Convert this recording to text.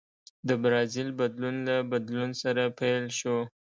د برازیل بدلون له بدلون سره پیل شو.